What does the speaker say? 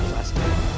jangan bunuh mas